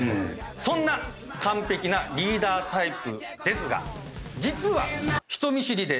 そんな完璧なリーダータイプですが。